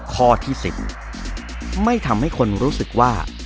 ข้อที่๑๐ไม่ทำให้คนรู้สึกว่า